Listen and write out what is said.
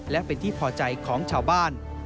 และเป็นที่พอใจของชาวบ้าน